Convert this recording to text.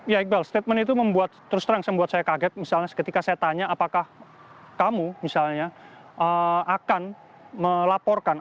ya iqbal statement itu membuat terus terang membuat saya kaget misalnya ketika saya tanya apakah kamu misalnya akan melaporkan